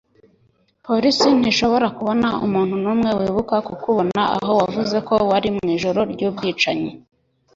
Polisi ntishobora kubona umuntu numwe wibuka kukubona aho wavuze ko wari mwijoro ryubwicanyi